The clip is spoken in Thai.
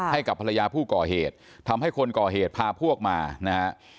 ให้กับภรรยาผู้ก่อเหตุทำให้คนก่อเหตุพาพวกมานะฮะ